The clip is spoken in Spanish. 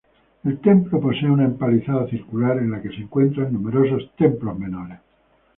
El templo posee una empalizada circular en la que se encuentran numerosos templos menores.